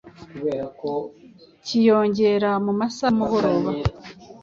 kiyongera mu masaha y’umugoroba,